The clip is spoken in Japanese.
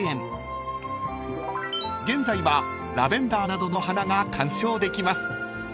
［現在はラベンダーなどの花が観賞できます］